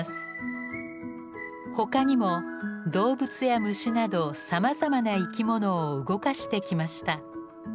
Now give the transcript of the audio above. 他にも動物や虫などさまざまな生きものを動かしてきました。